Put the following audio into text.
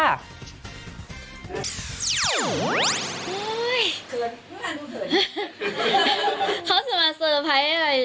เฮ้ยเขาจะมาเซอร์ไพรส์ให้อะไร